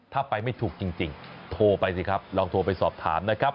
ถ้าไปไม่ถูกจริงโทรไปสิครับลองโทรไปสอบถามนะครับ